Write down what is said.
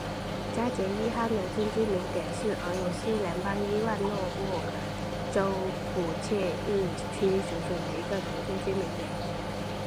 扎捷伊哈农村居民点是俄罗斯联邦伊万诺沃州普切日区所属的一个农村居民点。